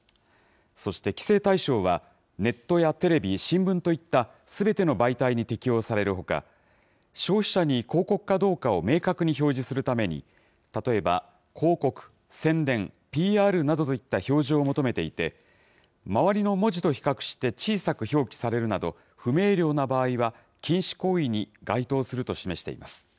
そして、規制対象はネットやテレビ、新聞といったすべての媒体に適用されるほか、消費者に広告かどうかを明確に表示するために、例えば広告、宣伝、ＰＲなどといった表示を求めていて、周りの文字と比較して小さく表記されるなど、不明瞭な場合は、禁止行為に該当すると示しています。